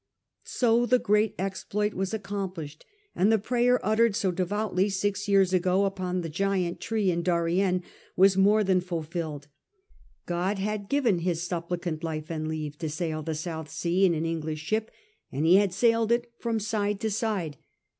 So the great exploit was accomplished, and the prayer uttered so devoutly six years ago upon the giant tree in Darien was more than fulfilled. God had given His supplicant life and leave to sail the South Sea in an English ship, and he had sailed it from side to side.